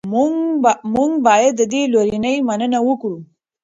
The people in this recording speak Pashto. موږ باید د دې لورینې مننه وکړو.